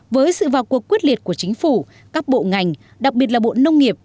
với sự vào cuộc quyết liệt của chính phủ các bộ ngành đặc biệt là bộ nông nghiệp